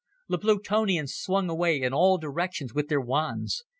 The Plutonians swung away in all directions with their wands.